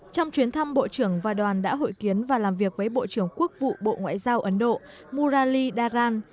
trong chuyến thăm bộ trưởng và đoàn đã hội kiến và làm việc với bộ trưởng quốc vụ bộ ngoại giao ấn độ murali dharan